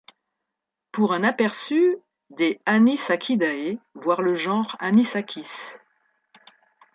Pour un aperçu des Anisakidae, voir le genre Anisakis.